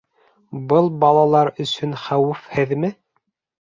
Был балалар өсөн хәүефһеҙме?